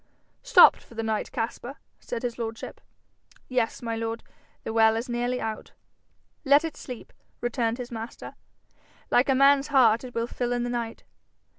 'Stopped for the night, Caspar?' said his lordship. 'Yes, my lord; the well is nearly out.' 'Let it sleep,' returned his master; 'like a man's heart it will fill in the night.